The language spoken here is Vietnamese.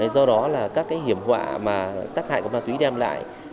do đó là các cái hiểm họa mà tác hại của ma túy đem lại